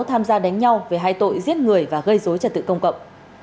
tham gia đánh nhau về hai tội giết người và gây dối trật tự công cộng